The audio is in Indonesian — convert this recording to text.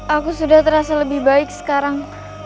aku sudah terasa lebih baik sekarang